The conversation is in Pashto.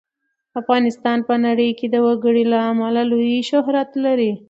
افغانستان په نړۍ کې د وګړي له امله لوی شهرت لري.